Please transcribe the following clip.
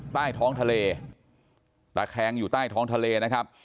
ใต้ท้องทะเลตะแคงอยู่ใต้ท้องทะเลนะครับ